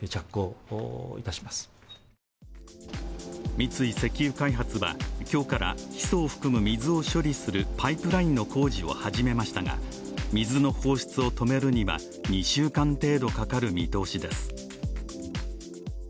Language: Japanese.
三井石油開発は今日からヒ素を含む水を処理するパイプラインの工事を始めましたが、水の放出を止めるには２週間程度かかる見通しです。